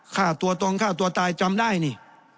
ฆ่าตัวตรงฆ่าตัวตายจำได้นี่